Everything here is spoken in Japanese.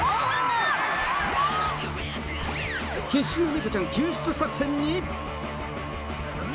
決死の猫ちゃん救出作戦に。